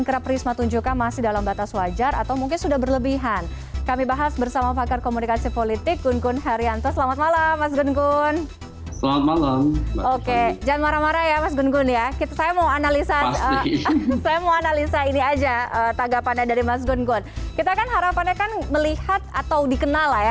kita kan harapannya kan melihat atau dikenal lah ya